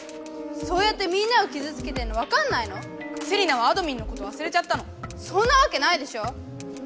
そうやってみんなをきずつけてるのわかんないの⁉セリナはあどミンのことわすれちゃったの⁉そんなわけないでしょ！